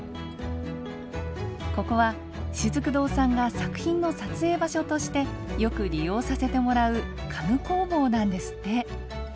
ここはしずく堂さんが作品の撮影場所としてよく利用させてもらう家具工房なんですって。